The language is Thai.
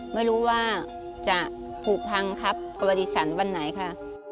ไม่รู้ว่าจะผูกพังครับกวดิฉันบ้านไหนค่ะ